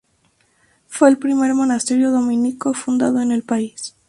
Fue el primer monasterio dominico fundado en el país.